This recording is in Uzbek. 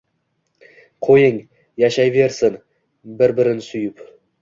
qo’ying, yashaybersin bir-birin suyib!